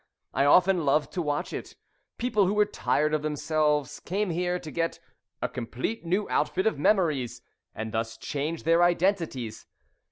I often loved to watch it. People who were tired of themselves came here to get a complete new outfit of memories, and thus change their identities.